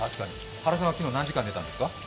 原さんは昨日、何時間寝たんですか。